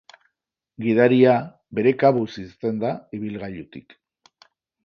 Gidaria bere kabuz irten da ibilgailutik.